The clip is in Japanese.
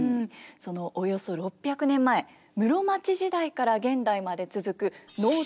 そのおよそ６００年前室町時代から現代まで続く能と狂言。